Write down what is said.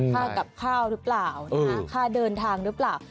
แปลกับค่าข้าวรึเปล่านะฮะค่าเดินทางรึเปล่า